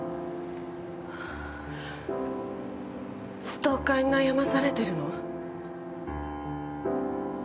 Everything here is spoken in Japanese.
ストーカーに悩まされてるの。